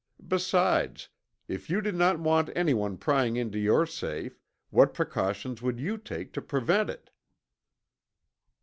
Besides, if you did not want anyone prying into your safe, what precaution would you take to prevent it?"